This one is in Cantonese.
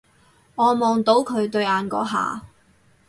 我望到佢對眼嗰下